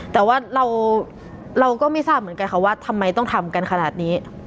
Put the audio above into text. แต่ว่าเราก็ไม่ทราบเหมือนกันค่ะว่าทำไมต้องทำกันขนาดนี้